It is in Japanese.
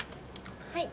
はい。